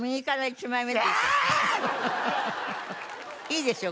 いいですよ